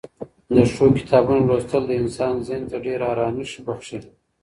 د ښو کتابونو لوستل د انسان ذهن ته ډېره ارامي بښي.